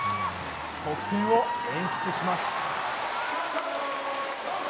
得点を演出します。